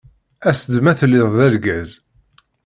As-d ma telliḍ d argaz.